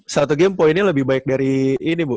satu game poinnya lebih baik dari ini bu